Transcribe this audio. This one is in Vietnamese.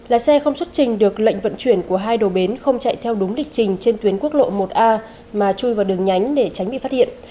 lái xe không xuất trình được lệnh vận chuyển của hai đồ bến không chạy theo đúng lịch trình trên tuyến quốc lộ một a mà chui vào đường nhánh để tránh bị phát hiện